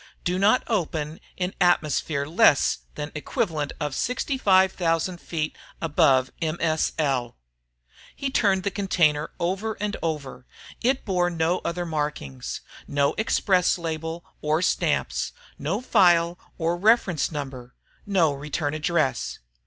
DO NOT OPEN in atmosphere less than equivalent of 65,000 feet above M.S.L. He turned the container over and over. It bore no other markings no express label or stamps, no file or reference number, no return address.